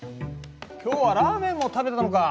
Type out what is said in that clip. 今日はラーメンも食べてたのか。